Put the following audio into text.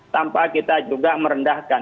tanpa kita juga merendahkan